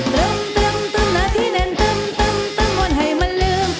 ตรมตรมตรมหน้าที่แน่นตรมตรมตรมมันให้มันลืม